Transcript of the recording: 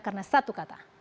karena satu kata